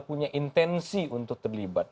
punya intensi untuk terlibat